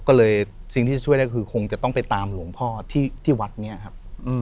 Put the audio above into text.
ก็เลยสิ่งที่จะช่วยได้คือคงจะต้องไปตามหลวงพ่อที่วัดนี้ครับ